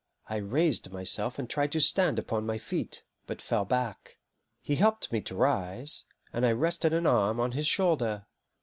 I raised myself and tried to stand upon my feet, but fell back. He helped me to rise, and I rested an arm on his shoulder.